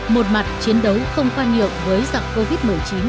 một mặt chiến đấu không khoan nhượng với giặc covid một mươi chín